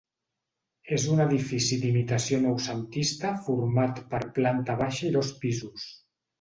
És un edifici d'imitació noucentista format per planta baixa i dos pisos.